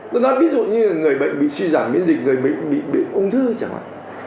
tôi nói ví dụ như là người bệnh bị suy giảm miễn dịch người mịn bị ung thư chẳng hạn